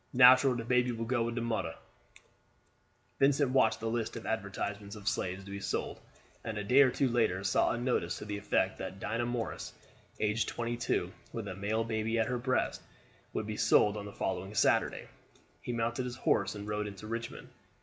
Natural the baby will go wid de modder." Vincent watched the list of advertisements of slaves to be sold, and a day or two later saw a notice to the effect that Dinah Morris, age twenty two, with a male baby at her breast, would be sold on the following Saturday. He mounted his horse and rode into Richmond.